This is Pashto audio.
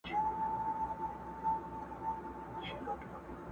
ما خو مي د زړه منبر بلال ته خوندي کړی وو!!